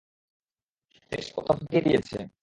বেশ, ও তো ফাটিয়ে দিয়েছে।